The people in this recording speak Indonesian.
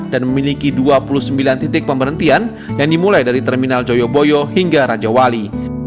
dan memiliki dua puluh sembilan titik pemberhentian yang dimulai dari terminal joyoboyo hingga raja wali